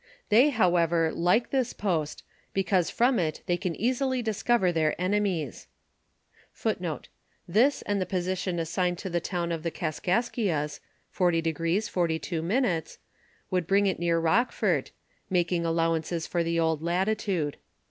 They, however, like this post, because from it they can easily discover their enemies.* * This and the position assigned to the town of the Kaskaskias (40° 42') would bring it near Rockfort, making allowance for the old latitude.